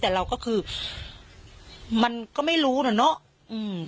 แต่เราก็คือมันก็ไม่รู้น่ะเนอะอืม